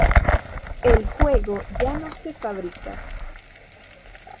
El juego ya no se fabrica.